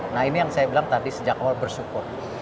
nah ini yang saya bilang tadi sejak awal bersyukur